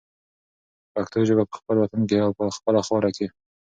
چې پښتو ژبه په خپل وطن کې او په خپله خاوره کې